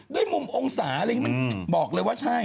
มุมมองศาอะไรอย่างนี้มันบอกเลยว่าใช่